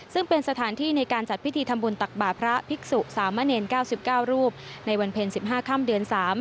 ซึ่งเป็นสถานที่ในการจัดพิธีทำบุญตักบาทพระภิกษุสามะเนร๙๙รูปในวันเพลง๑๕ค่ำเดือน๓